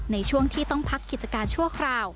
ในช่วงที่ต้องพักกิจการชั่วคราว